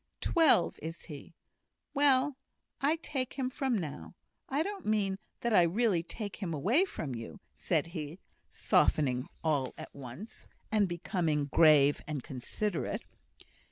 "Twelve, is he! Well, I take him from now. I don't mean that I really take him away from you," said he, softening all at once, and becoming grave and considerate.